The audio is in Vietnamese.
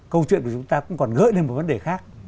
câu chuyện của chúng ta cũng còn gợi lên một vấn đề khác